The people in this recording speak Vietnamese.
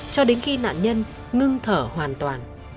cho đến khi nạn nhân ngưng thở hoàn toàn